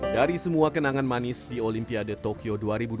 dari semua kenangan manis di olimpiade tokyo dua ribu dua puluh